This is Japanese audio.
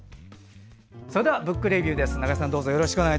それでは「ブックレビュー」です。